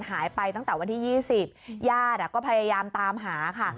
หายไปตั้งแต่วันที่๒๐พี่ย่ารุมพยายามตามหา